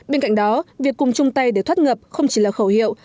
bên cạnh đó việc cùng chung tay để thoát ngập không chỉ là khẩu hiệu